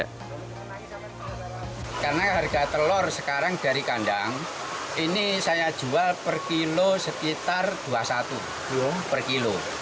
karena harga telur sekarang dari kandang ini saya jual per kilo sekitar rp dua puluh satu per kilo